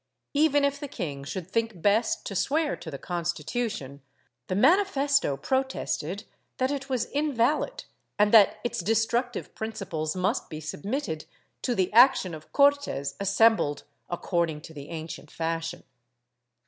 Even if the king should think best to swear to the Constitution, the manifesto protested that it was invalid and that its destructive principles must be submitted to the action of Cortes assembled according to the ancient fashion.